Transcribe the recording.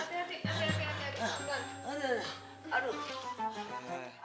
aduh aduh aduh